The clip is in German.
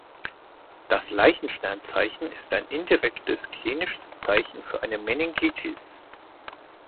Das Leichtenstern-Zeichen ist ein indirektes klinisches Zeichen für eine Meningitis.